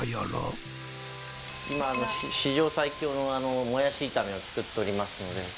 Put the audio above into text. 今史上最強のもやし炒めを作っておりますので。